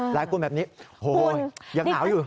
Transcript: หลายคนแบบนี้โอ้โฮยังหนาวอยู่